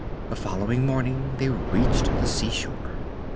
The following morning they reached the seashore.